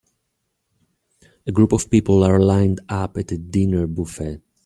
A group of people are lined up at a dinner buffet.